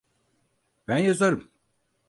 Ben yazarım.